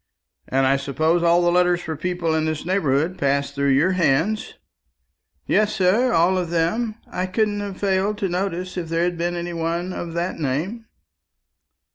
"And I suppose all the letters for people in this neighbourhood pass through your hands?" "Yes, sir, all of them; I couldn't have failed to notice if there had been any one of that name."